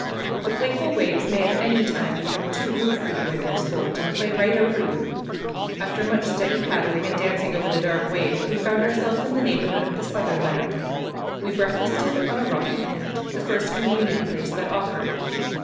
The playful waves may at any time become too rude for you in their sport, and play right on over you. After much steady paddling and dancing over the dark waves we found ourselves in the neighborhood of the southern land. We breakfasted on a rocky point, the first convenient place that offered.